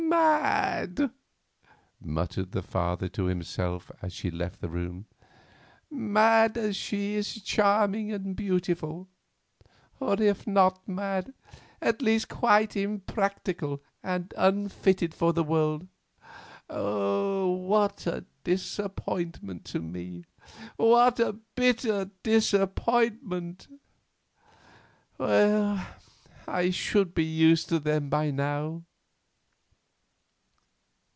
"Mad," muttered her father to himself as she left the room. "Mad as she is charming and beautiful; or, if not mad, at least quite impracticable and unfitted for the world. What a disappointment to me—what a bitter disappointment! Well, I should be used to them by now."